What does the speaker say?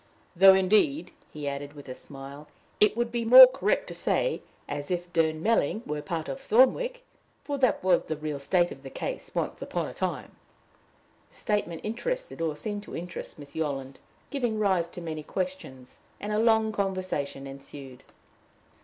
"Though, indeed," he added, with a smile, "it would be more correct to say, 'as if Durnmelling were a part of Thornwick' for that was the real state of the case once upon a time." The statement interested or seemed to interest Miss Yolland, giving rise to many questions; and a long conversation ensued.